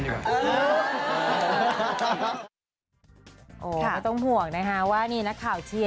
ไม่ต้องห่วงนะคะว่านี่นักข่าวเชียร์